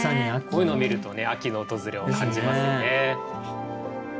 こういうのを見るとね秋の訪れを感じますよね。